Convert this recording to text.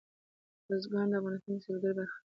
بزګان د افغانستان د سیلګرۍ برخه ده.